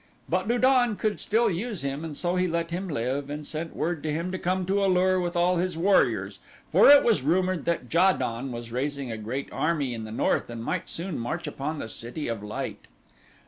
But Lu don could still use him and so he let him live and sent word to him to come to A lur with all his warriors, for it was rumored that Ja don was raising a great army in the north and might soon march upon the City of Light.